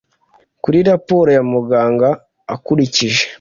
kuri raporo ya muganga akurikije